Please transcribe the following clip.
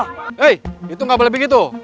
hei itu nggak boleh begitu